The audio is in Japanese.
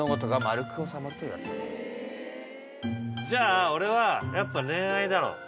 じゃあ俺はやっぱ恋愛だろ。